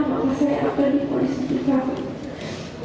maka saya akan di polisi bersama